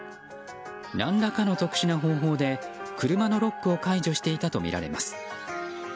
何らかの特殊な方法で車のロックを解除していたとみられます。